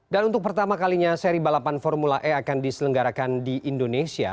dan untuk pertama kalinya seri balapan formula e akan diselenggarakan di indonesia